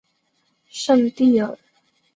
圣蒂尔。